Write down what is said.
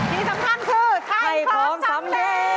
ที่สำคัญคือถ้าให้ของสำเร็จ